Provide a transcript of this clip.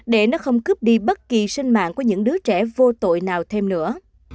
để nó không cướp đi bất kỳ sinh mạng của những đứa trẻ vô tội nào thêm nữa